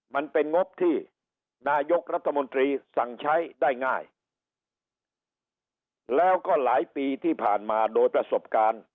มันเป็นงบที่นายกรัฐมนตรีสั่งใช้ได้ง่ายแล้วก็หลายปีที่ผ่านมาโดยประสบการณ์